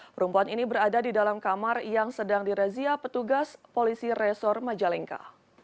perempuan ini berada di dalam kamar yang sedang dirazia petugas polisi resor majalengka